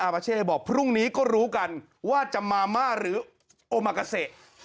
พรุ่งนี้ก็รู้กันว่าจะมาม่าหรือโอมะกาเสะ